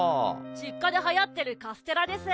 実家で流行ってるカステラです。